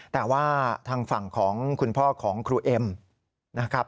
แต่ว่าทางฝั่งของคุณพ่อของครูเอ็มนะครับ